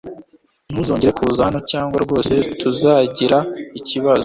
Ntuzongere kuza hano cyangwa rwose tuzagira ikibazo